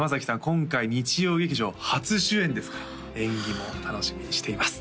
今回日曜劇場初主演ですから演技も楽しみにしています